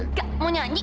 enggak mau nyanyi